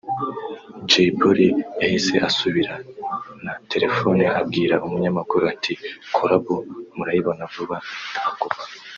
Jay Polly yahise asubirana telefone abwira umunyamakuru ati “Collabo murayibona vuba” ahita akupa